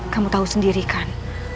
kamu tahu sendiri kan